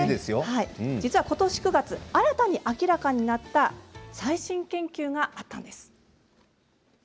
ことし９月新たに明らかになった最新研究があります。